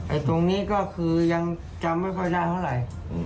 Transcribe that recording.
ตรงนี้ก็คือยังจำไม่ค่อยได้เท่าไหร่